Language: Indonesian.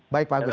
ya pak agus